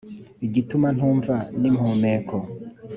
Igituma ntumva n' impumeko,